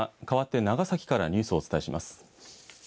かわって長崎からニュースをお伝えします。